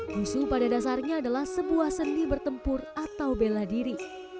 husu pada dasarnya adalah sebuah seni bertempur atau bela diri